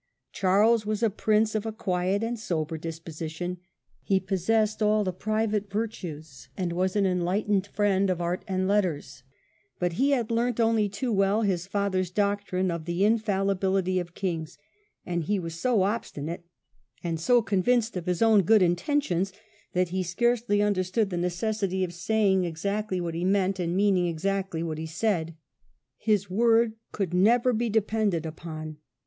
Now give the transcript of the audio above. Charles was a prince of a ciiiors. quiet and sober disposition : he possessed all the private virtues, and was an enlightened friend of art and letters, but he had learnt only too well his father's doctrine of the infallibility of kings, and he was so ob stinate and so convinced of his own good intentions that he scarcely understood the necessity of saying exactly what he meant and meaning exactly what he said. His word could never be depended upon.